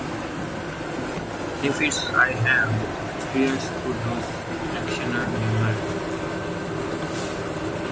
The benefits I have experienced through these actions are numerous.